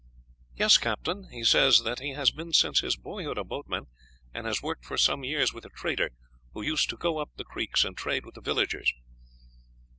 "Yes, Captain; he says that he has been since his boyhood a boatman, and has worked for some years with a trader, who used to go up the creeks, and trade with the villagers."